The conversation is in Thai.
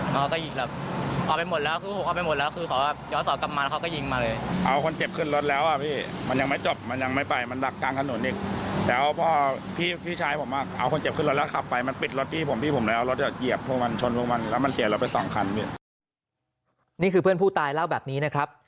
นี่คือเพื่อนผู้ตายเล่าแบบนี้นะครับ